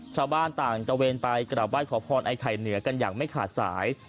ชาวบ้านต่างตะเวนไปกลับไห้ขอพรไอ้ไข่เหนือกันอย่างไม่ขาดสาย